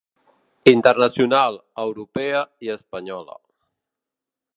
Internacional, Europea i Espanyola.